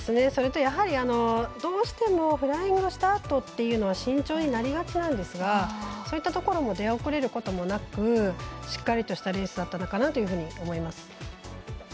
それと、どうしてもフライングをしたあとというのは慎重になりがちなんですがそういったところも出遅れることなくしっかりとしたレースだったかなと思います。